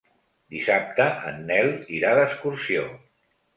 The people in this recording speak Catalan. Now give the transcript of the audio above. Dissabte en Nel irà d'excursió.